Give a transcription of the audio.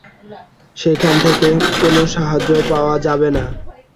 সেখান থেকে কোনো সাহায্য পাওয়া যাবে না?